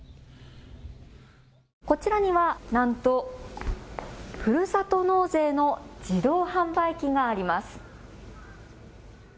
こちらにはなんとふるさと納税の自動販売機があります。